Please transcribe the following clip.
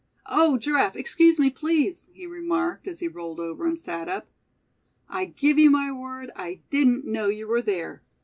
"Oh! Giraffe, excuse me, please!" he remarked, as he rolled over, and sat up. "I give you my word I didn't know you were there.